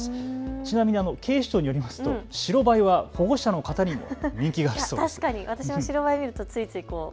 ちなみに警視庁によりますと白バイは保護者の方にも人気あるそうです。